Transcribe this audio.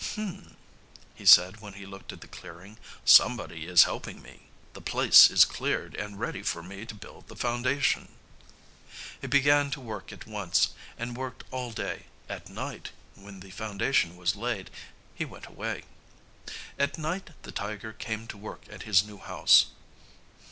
"H'm," he said when he looked at the clearing. "Somebody is helping me. The place is cleared and ready for me to build the foundation." He began to work at once and worked all day. At night when the foundation was laid, he went away. At night the tiger came to work at his new house.